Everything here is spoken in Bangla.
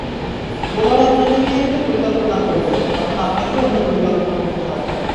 বোলার আপনাকে নিয়ে একটা পরিকল্পনা করবে, তখন আপনাকেও অন্য পরিকল্পনা করতে হবে।